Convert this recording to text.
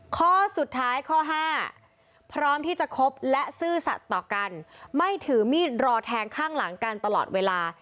ข้อสุดท้ายข้อห้าพร้อมที่จะคบและซื่อสัตว์ต่อกันไม่ถือมีดรอแทงข้างหลังกันตลอดเวลา